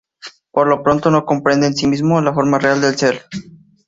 Por lo pronto, no comprende en sí mismo la forma real del ser.